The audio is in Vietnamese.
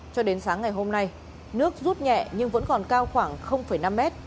cho đến sáng ngày hôm nay nước rút nhẹ nhưng vẫn còn cao khoảng năm mét